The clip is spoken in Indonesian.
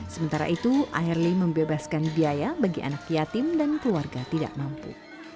sementara itu airly membebaskan biaya bagi anak yatim dan keluarga tidak mampu